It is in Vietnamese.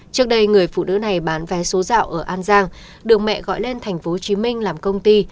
trước đây người phụ nữ này bán vé số dạo ở an giang được mẹ gọi lên tp hcm làm công ty